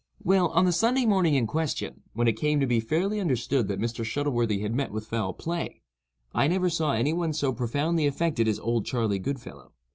Well, on the Sunday morning in question, when it came to be fairly understood that Mr. Shuttleworthy had met with foul play, I never saw any one so profoundly affected as "Old Charley Goodfellow."